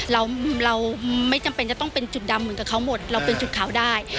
เราเราไม่จำเป็นจะต้องเป็นจุดดำเหมือนกับเขาหมดเราเป็นจุดขาวได้